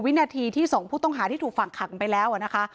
วินาทีที่๒ผู้ต้องหาที่ถูกฝั่งขังไปแล้วนะคะ